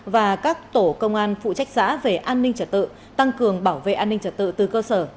và các tổ công an phụ trách xã về an ninh trật tự tăng cường bảo vệ an ninh trật tự từ cơ sở